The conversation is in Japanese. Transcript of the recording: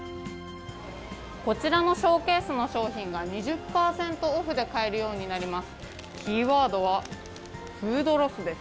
こちらのショーケースの賞品が２０％オフで買えるようになります。